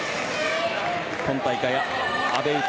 今大会、阿部詩